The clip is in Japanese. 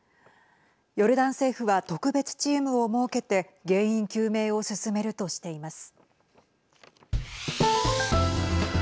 ヨルダン政府は特別チームを設けて原因究明を進めるとしています。